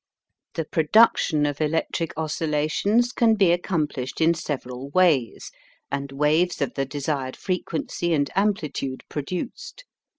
The production of electric oscillations can be accomplished in several ways and waves of the desired frequency and amplitude produced.